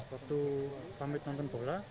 waktu pamit nonton bola keluarga bagaimana